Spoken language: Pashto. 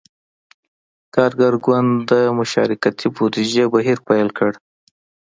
کارګر ګوند د »مشارکتي بودیجې« بهیر پیل کړ.